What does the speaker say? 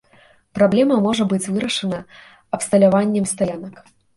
Праблема можа быць вырашана абсталяваннем стаянак.